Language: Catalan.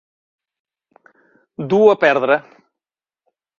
Dur a perdre.